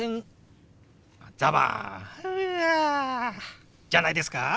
ザバンはあじゃないですか？